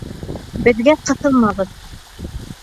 Беҙгә ҡыҫылмағыҙ.